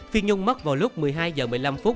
phi nhung mất vào lúc một mươi hai h một mươi năm